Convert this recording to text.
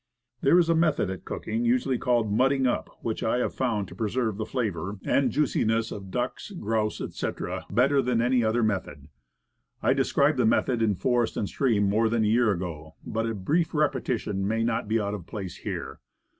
There is a method of cooking usually called "mud ding up," which I have found to preserve the flavor and juiciness of ducks, grouse, etc., better than any other mode. I described the method in Forest and Stream more than a year ago, but a brief repetition may not be out of place here.